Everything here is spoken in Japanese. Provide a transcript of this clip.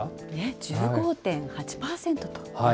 １５．８％と。